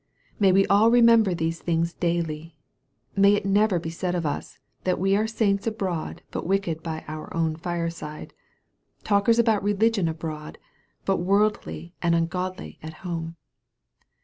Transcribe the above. May we all remember these things daily ! May it never be said of us, that we are saints abroad but wicked by our own fireside talkers about re ligion abroad, but worldly and ungodly at home